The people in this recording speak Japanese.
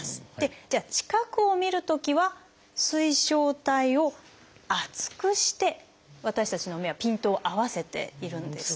じゃあ近くを見るときは水晶体を厚くして私たちの目はピントを合わせているんですね。